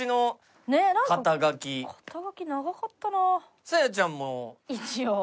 肩書長かったな。